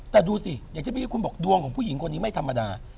แต่ดูสิอย่างที่พี่คุณบอกดวงของผู้หญิงคนนี้ไม่ธรรมดา